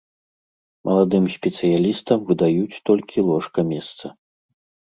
Маладым спецыялістам выдаюць толькі ложка-месца.